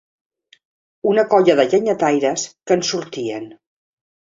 Una colla de llenyataires que en sortien